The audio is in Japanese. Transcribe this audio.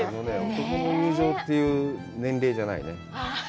男の友情という年齢じゃないね。